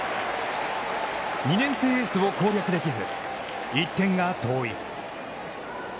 ２年生エースを攻略できず１点が遠い。